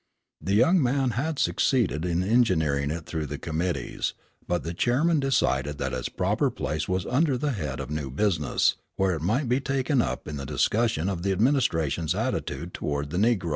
The young man had succeeded in engineering it through the committee, but the chairman decided that its proper place was under the head of new business, where it might be taken up in the discussion of the administration's attitude toward the negro.